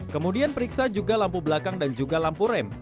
kemudian periksa juga lampu belakang dan juga lampu rem